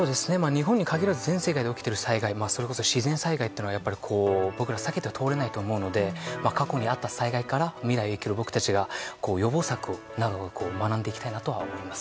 日本に限らず全世界で起きている災害それこそ自然災害というのは僕らは避けては通れないと思うので過去にあった災害から未来を生きる僕たちが予防策などを学んでいきたいなと思います。